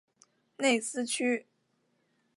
内斯屈。